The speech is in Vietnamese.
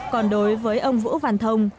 còn đối với ông vũ văn thông